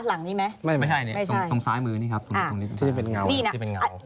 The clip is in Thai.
หลังนี้ไหมไม่ใช่นี่ไม่ใช่ตรงซ้ายมือนี่ครับอ่าที่เป็นเงาที่เป็นเงา